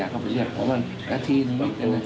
ก็ยื้อมานี่ปุ๊บกินแล้วติ้ม